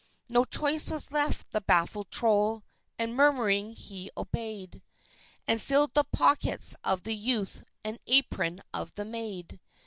No choice was left the baffled Troll, and, murmuring, he obeyed, And filled the pockets of the youth and apron of the maid.